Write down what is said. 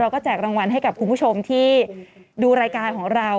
ก็แจกรางวัลให้กับคุณผู้ชมที่ดูรายการของเรา